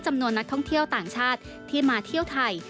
จำนวนนักท่องเที่ยวต่างชาติที่มาเที่ยวไทย